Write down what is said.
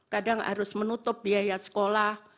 kadang harus menutup biaya sekolah